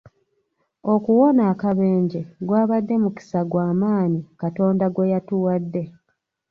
Okuwona akabenje gwabadde mukisa gwa maanyi Katonda gwe yatuwadde.